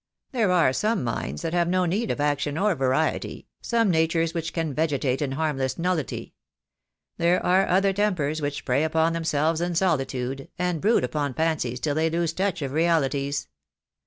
There are some minds that have no need of action or variety, some natures which can vegetate in a harmless nullity. There are other tempers which prey upon themselves in solitude, and brood upon fancies till they lose touch of realities.